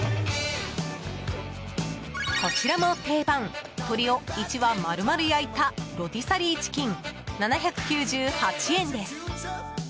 こちらも定番鶏を１羽丸々焼いたロティサリーチキン７９８円です。